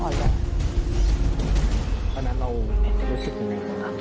เพราะฉะนั้นเรารู้สึกอย่างไร